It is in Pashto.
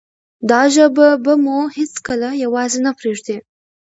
دا ژبه به مو هیڅکله یوازې نه پریږدي.